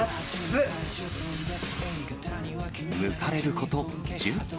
蒸されること１０分。